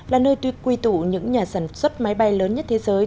là nơi tuyệt quy tụ những nhà sản xuất máy bay lớn nhất thế giới